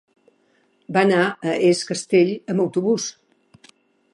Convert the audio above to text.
Va anar a Es Castell amb autobús.